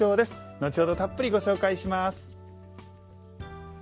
後ほど、たっぷりご紹介します。